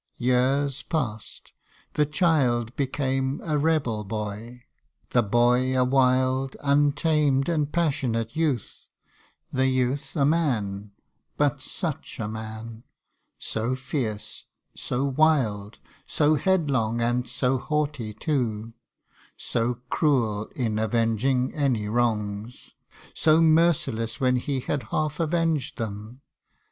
Years past : the child became a rebel boy ; The boy a wild, untamed, and passionate youth ; The youth a man but such a man ! so fierce, So wild, so headlong, and so haughty too, So cruel in avenging any wrongs, So merciless when he had half avenged them